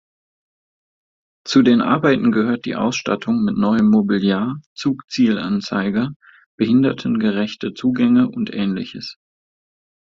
Zu den Arbeiten gehört die Ausstattung mit neuem Mobiliar, Zugzielanzeiger, Behinderten-gerechte Zugänge und Ähnliches.